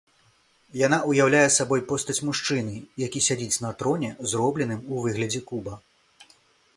Яна ўяўляе сабой постаць мужчыны, які сядзіць на троне, зробленым у выглядзе куба.